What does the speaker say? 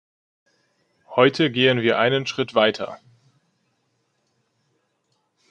Heute gehen wir einen Schritt weiter.